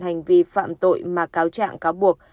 hành vi phạm tội mà cáo trạng cáo buộc